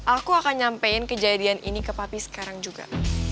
aku akan nyampein kejadian ini ke papi sekarang juga